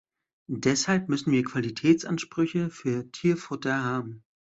Deshalb müssen wir Qualitätsansprüche für Tierfutter haben.